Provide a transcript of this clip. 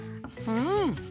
うん！